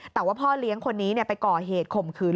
แต่ว่าพ่อเลี้ยงคนนี้ไปก่อเหตุข่มขืน